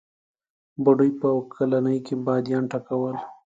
بوډۍ په اوکلۍ باديان ټکول.